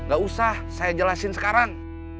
gak usah saya jelasin sekarang